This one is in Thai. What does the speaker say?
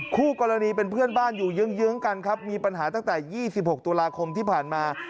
คู่กรณีเป็นเพื่อนบ้านอยู่เยื้องกันครับมีปัญหาตั้งแต่๒๖ตุลาคมที่ผ่านมา